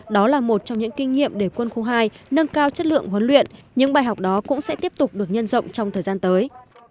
đó là một trong những kinh nghiệm để quân khu hai nâng cao chất lượng huấn luyện những bài học đó cũng sẽ tiếp tục được nhân rộng trong thời gian tới